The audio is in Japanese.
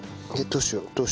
どうしよう？